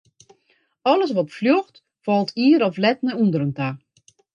Alles wat fljocht, falt ier of let nei ûnderen ta.